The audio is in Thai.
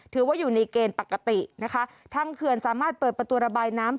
ถือว่าอยู่ในเกณฑ์ปกตินะคะทางเขื่อนสามารถเปิดประตูระบายน้ำ